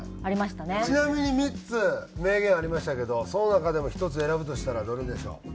ちなみに３つ名言ありましたけどその中でも１つ選ぶとしたらどれでしょう？